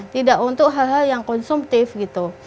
tidak untuk hal hal yang konsumtif gitu